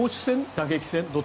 打撃戦？